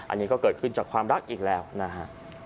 อันนี้ก็เกิดขึ้นจากความรักอีกแล้วนะฮะ